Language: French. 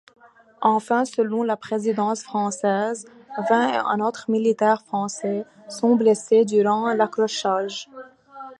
Enfin selon la présidence française, vingt-et-un autres militaires français sont blessés durant l'accrochage.